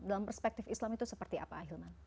dalam perspektif islam itu seperti apa ahilman